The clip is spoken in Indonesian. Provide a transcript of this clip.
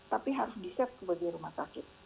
tapi harus disiap sebagai rumah sakit